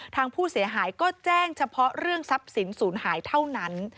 ทางผู้เสียหายก็แจ้งเฉพาะเรื่องทรัพย์สินศูนย์หายเท่านั้น